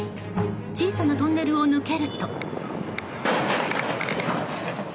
小さなトンネルを抜けると。